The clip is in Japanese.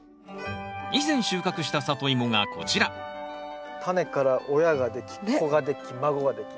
以前収穫したサトイモがこちらタネから親ができ子ができ孫ができ。